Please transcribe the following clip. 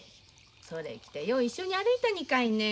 それ着てよう一緒に歩いたにかいねえ。